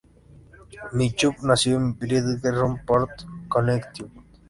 Mitchum nació en Bridgeport, Connecticut.